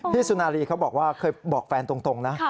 สุนารีเขาบอกว่าเคยบอกแฟนตรงนะ